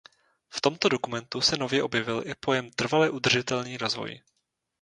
V tomto dokumentu se nově objevil i pojem trvale udržitelný rozvoj.